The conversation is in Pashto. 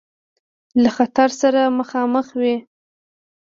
له خطر سره مخامخ وي.